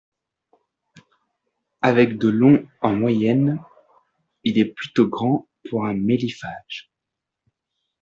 Avec de long en moyenne, il est plutôt grand pour un méliphage.